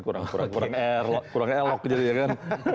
kurang elok gitu ya kan